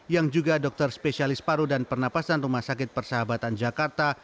yang juga dokter spesialis paru dan pernapasan rumah sakit persahabatan jakarta